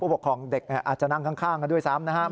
ปกครองเด็กอาจจะนั่งข้างกันด้วยซ้ำนะครับ